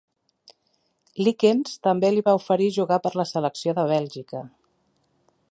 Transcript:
Leekens també li va oferir jugar per la selecció de Bèlgica.